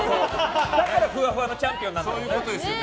だからふわふわのチャンピオンなのよね。